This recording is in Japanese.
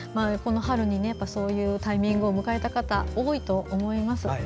この春にそういうタイミングを迎えた方、多いと思います。